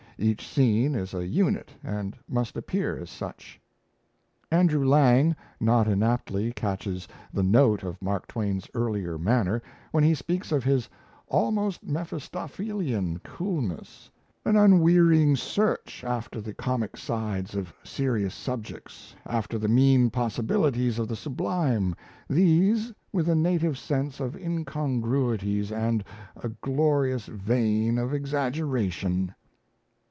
Each scene is a unit and must appear as such. Andrew Lang not inaptly catches the note of Mark Twain's earlier manner, when he speaks of his "almost Mephistophelean coolness, an unwearying search after the comic sides of serious subjects, after the mean possibilities of the sublime these with a native sense of incongruities and a glorious vein of exaggeration."